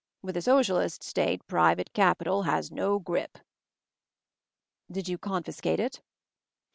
With a Socialist State private Capital has no grip!" 'Did you confiscate it?"